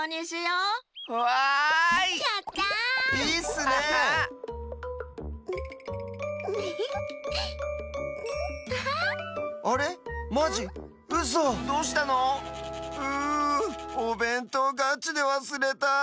ううおべんとうガチでわすれた。